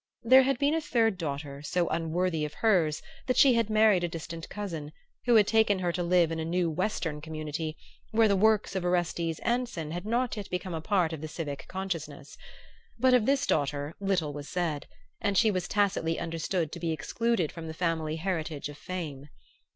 There had been a third daughter so unworthy of hers that she had married a distant cousin, who had taken her to live in a new Western community where the Works of Orestes Anson had not yet become a part of the civic consciousness; but of this daughter little was said, and she was tacitly understood to be excluded from the family heritage of fame.